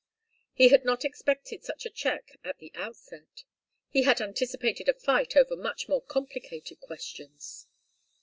He had not expected such a check at the outset. He had anticipated a fight over much more complicated questions.